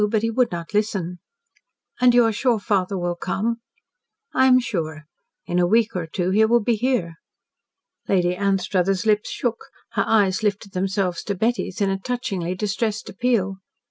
But he would not listen." "And you are sure father will come?" "I am sure. In a week or two he will be here." Lady Anstruthers' lips shook, her eyes lifted themselves to Betty's in a touchingly distressed appeal.